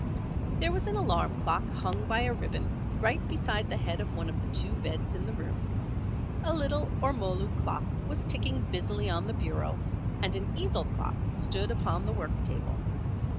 There was an alarm clock hung by a ribbon right beside the head of one of the two beds in the room. A little ormolu clock was ticking busily on the bureau, and an easel clock stood upon the work table.